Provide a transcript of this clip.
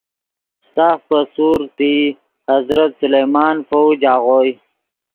سافے پے سورڤف تئی حضرت سلیمان فوج آغوئے